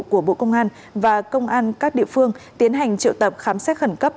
của bộ công an và công an các địa phương tiến hành triệu tập khám xét khẩn cấp